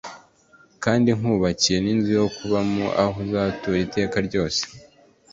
Kandi nkubakiye n’inzu yo kubamo, aho uzatura iteka ryose